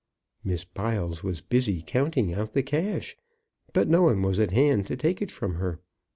Miss Biles was busy counting out the cash, but no one was at hand to take it from her.